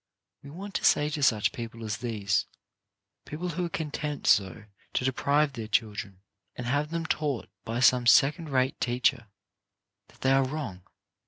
We want to say to such people as these, people who are content so to deprive their children, and have them taught by some second rate teacher, that they are wrong.